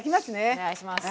お願いします。